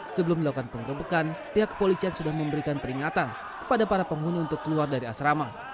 sebelum melakukan penggerbekan pihak kepolisian sudah memberikan peringatan kepada para penghuni untuk keluar dari asrama